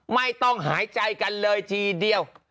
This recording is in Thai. ไม่ต้องหายใจกันเลยทีเดียว